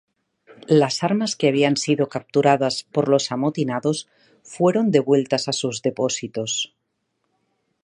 Las armas que habían sido capturadas por los amotinados fueron devueltas a sus depósitos.